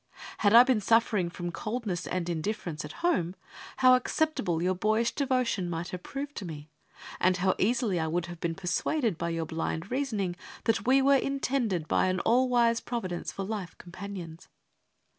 Had I been suffering from coldness and indifference at home, how acceptable your boyish devotion might have proved to me. And how easily I would have been persuaded by your blind reasoning that we were intended by an all wise Providence for life companions.